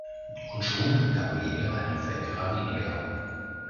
Und schon hat Gabriele einen Verehrer weniger.